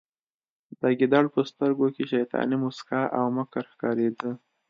د ګیدړ په سترګو کې شیطاني موسکا او مکر ښکاریده